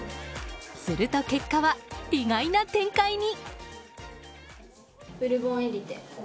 すると結果は意外な展開に。